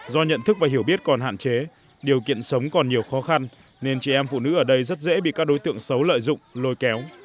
do nhận thức và hiểu biết còn hạn chế điều kiện sống còn nhiều khó khăn nên chị em phụ nữ ở đây rất dễ bị các đối tượng xấu lợi dụng lôi kéo